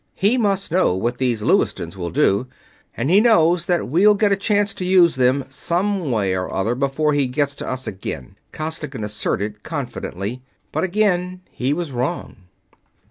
He must know what these Lewistons will do, and he knows that we'll get a chance to use them, some way or other, before he gets to us again," Costigan asserted, confidently but again he was wrong.